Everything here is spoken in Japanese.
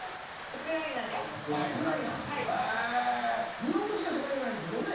ウクライナへぇ日本語しか喋れないんですもんね。